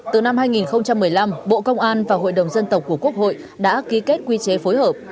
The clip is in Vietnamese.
từ năm hai nghìn một mươi năm bộ công an và hội đồng dân tộc của quốc hội đã ký kết quy chế phối hợp